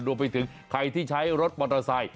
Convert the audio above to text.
รวมไปถึงใครที่ใช้รถมอเตอร์ไซค